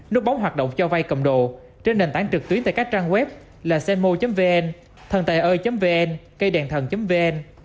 nút bóng hoạt động cho vây cầm đồ trên nền tảng trực tuyến tại các trang web là senmo vn thầntàioi vn câyđènthần vn